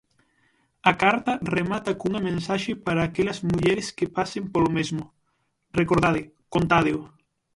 A carta remata cunha mensaxe para aquelas mulleres que pasen polo mesmo: Recordade, contádeo.